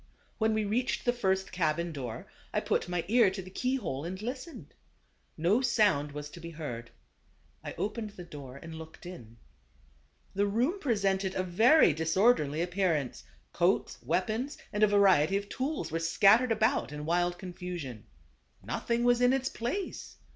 When we reached the first cabin door, I put my ear to the key hole and listened. No sound was to be heard. I opened the door and looked in. The V 112 THE CAB AVAN. room presented a very disorderly appearance. Coats, weapons, and a variety of tools, were scattered about in wild confusion. Nothing was in its place.